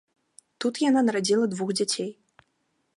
Тут яна нарадзіла двух дзяцей.